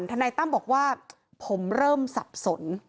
นายตั้มบอกว่าผมเริ่มสับสน